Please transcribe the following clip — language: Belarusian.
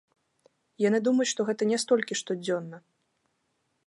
Яны думаюць, што гэта не столькі штодзённа.